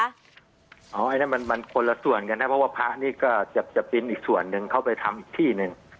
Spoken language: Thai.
อันนี้มันคนละส่วนกันนะเพราะว่าพระนี่ก็จะเป็นอีกส่วนหนึ่งเข้าไปทำอีกที่หนึ่ง